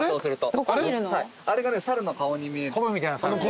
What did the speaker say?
あれが申の顔に見える。